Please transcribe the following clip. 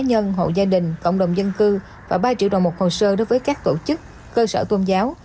nhân hộ gia đình cộng đồng dân cư và ba triệu đồng một hồ sơ đối với các tổ chức cơ sở tôn giáo